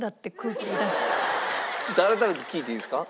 ちょっと改めて聞いていいですか？